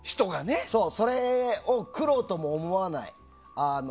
それを苦労とも思わない。